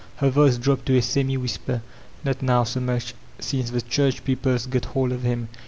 Her voice dropped to a semi whisper. "Not now so much, since the church people's got hold of him.